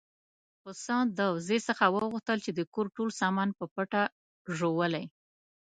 پسه د وزې څخه وغوښتل چې د کور ټول سامان په پټه ژوولی.